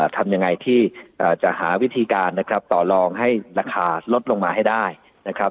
ทำยังไงที่จะหาวิธีการนะครับต่อลองให้ราคาลดลงมาให้ได้นะครับ